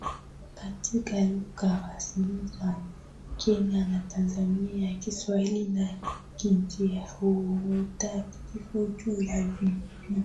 katika lugha rasmi za Kenya na Tanzania Kiswahili na KiingerezaUtafiti juu ya vipimo